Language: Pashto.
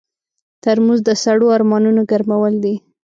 ترموز د سړو ارمانونو ګرمول دي.